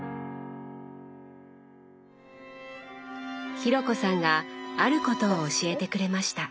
紘子さんがあることを教えてくれました。